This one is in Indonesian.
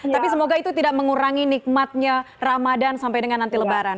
tapi semoga itu tidak mengurangi nikmatnya ramadan sampai dengan nanti lebaran